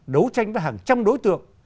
đấu tranh với hàng trăm đối tượng